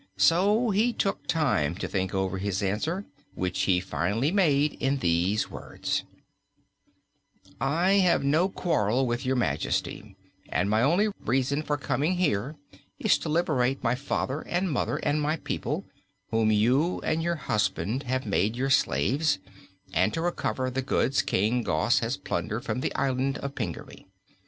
So he took time to think over his answer, which he finally made in these words: "I have no quarrel with Your Majesty, and my only reason for coming here is to liberate my father and mother, and my people, whom you and your husband have made your slaves, and to recover the goods King Gos has plundered from the Island of Pingaree.